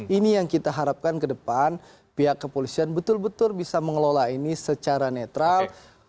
ini yang kita harapkan ke depan pihak kepolisian betul betul bisa mengelola ini secara netral